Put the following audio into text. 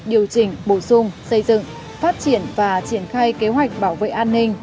điều chỉnh bổ sung xây dựng phát triển và triển khai kế hoạch bảo vệ an ninh